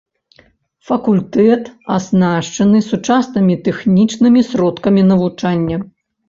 Факультэт аснашчаны сучаснымі тэхнічнымі сродкамі навучання.